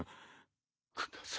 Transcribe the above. ください。